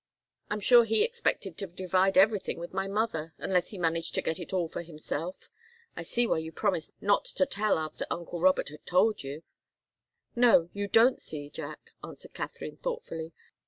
I'm sure he expected to divide everything with my mother, unless he managed to get it all for himself. I see why you promised not to tell after uncle Robert had told you " "No you don't see, Jack," answered Katharine, thoughtfully.